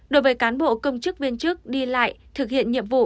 đối với cán bộ công chức viên chức đi lại thực hiện nhiệm vụ